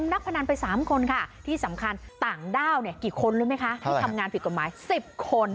หลบ